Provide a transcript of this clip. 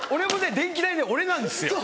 電気代ね俺なんですよ。